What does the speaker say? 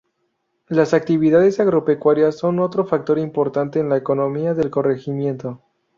Las actividades agropecuarias son otro factor importante en la economía del corregimiento.